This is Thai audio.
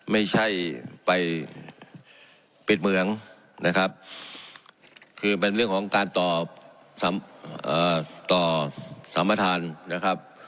ไม่ใช่ไปปิดเมืองนะครับคือเป็นเรื่องของการต่อสัมประธานนะครับ